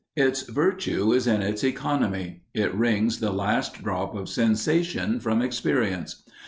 Its virtue is in its economy; it wrings the last drop of sensation from experience.